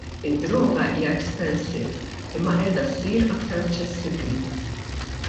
Id-droga hija expensive, imma qiegħda ssir aktar aċċessibbli.